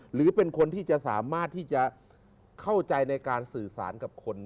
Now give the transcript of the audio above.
หรือเป็นคนที่จะสามารถที่จะเข้าใจในการสื่อสารกับคน